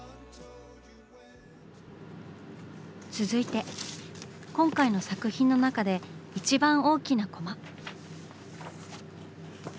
続いて今回の作品の中で一番大きなコマ。